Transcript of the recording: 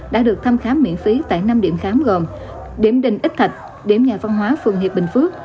đã được thăm khám miễn phí tại năm điểm khám gồm điểm đình ích thạch điểm nhà văn hóa phường hiệp bình phước